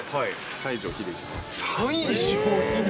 西城秀樹さん。